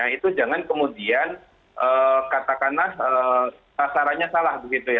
nah itu jangan kemudian katakanlah sasarannya salah begitu ya